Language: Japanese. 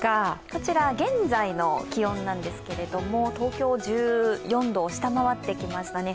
こちら現在の気温なんですけれども、東京、１４度を下回ってきましたね。